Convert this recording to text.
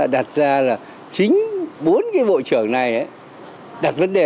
bốn bộ trưởng này đặt vấn đề